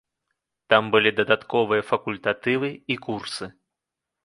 Там былі дадатковыя факультатывы і курсы.